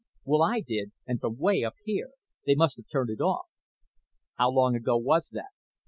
"Well, I did, and from way up here. They must have turned it off." "How long ago was that?"